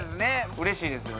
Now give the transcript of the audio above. うれしいですよね